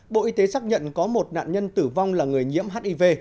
bộ y tế xác nhận có một nạn nhân tử vong là người nhiễm hiv